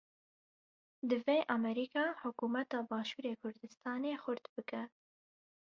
Divê Amerîka hikûmeta başûrê Kurdistanê xurt bike.